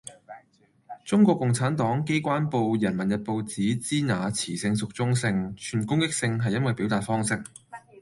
中國共產黨機關報人民日報指「支那」詞性屬中性，存攻擊性係因為表達方式